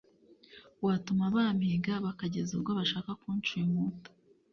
watuma bampiga bakageza ubwo bashaka kunshimuta